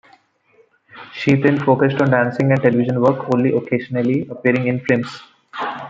She then focused on dancing and television work, only occasionally appearing in films.